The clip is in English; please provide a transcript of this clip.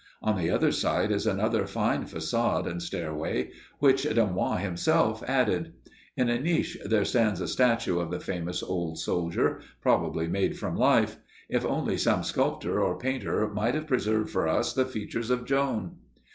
On the other side is another fine façade and stairway, which Dunois himself added. In a niche there stands a statue of the famous old soldier, probably made from life. If only some sculptor or painter might have preserved for us the features of Joan!